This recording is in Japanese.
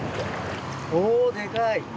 おでかい！